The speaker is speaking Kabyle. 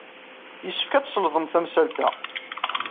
Yessefk ad tselḍem tamsalt-a.